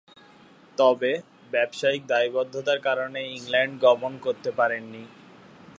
তবে, ব্যবসায়িক দায়বদ্ধতার কারণে ইংল্যান্ড গমন করতে পারেননি।